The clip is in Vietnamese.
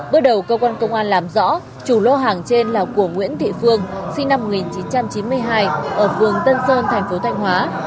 bước đầu công an làm rõ chủ lô hàng trên là của nguyễn thị phương sinh năm một nghìn chín trăm chín mươi hai ở phường tân sơn tp thanh hóa